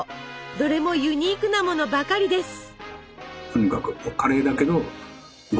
どれもユニークなものばかりです！